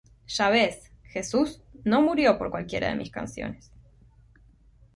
Ya ves, Jesús no murió por cualquiera de mis canciones.